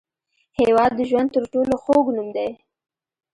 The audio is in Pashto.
هېواد د ژوند تر ټولو خوږ نوم دی.